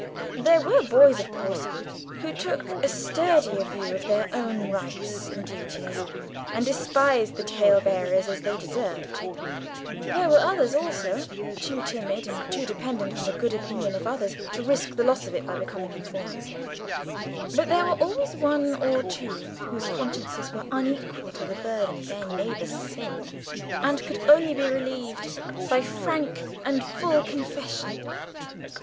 There were boys, of course, who took a sturdier view of their own rights and duties, and despised the talebearers as they deserved; there were others, also, too timid and too dependent on the good opinion of others to risk the loss of it by becoming informers; but there were always one or two whose consciences were unequal to the burden of their neighbour's sin, and could only be relieved by frank and full confession.